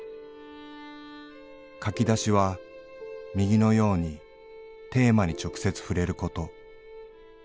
書き出しは右のようにテーマに直接ふれること。